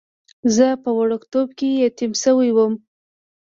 زه په وړکتوب کې یتیم شوی وم.